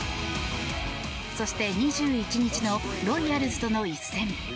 そして２１日のロイヤルズとの一戦。